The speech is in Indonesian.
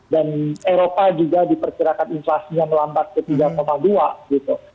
dan eropa juga diperkirakan inflasinya melambat ke tiga dua gitu